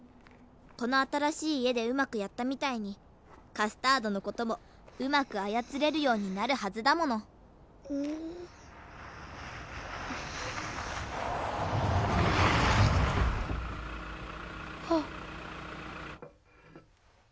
この新しい家でうまくやったみたいにカスタードのこともうまく操れるようになるはずだもの・あっ。